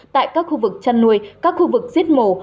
tại các khu vực chăn nuôi các khu vực giết mổ